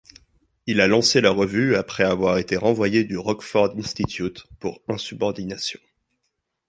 Il a lancé la revue après avoir été renvoyé du Rockford Institute pour insubordination.